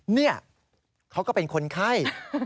เนี่ยเขาก็เป็นคนไข้